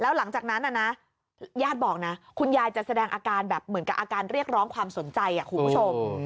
แล้วหลังจากนั้นอะนะรุ่นยาดบอกนะคุณยายจะแสดงอาการแบบเหมือนกับกระอาการเรียกล้องความสนใจอ่ะคุณผู้ชม